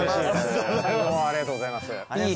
ありがとうございます。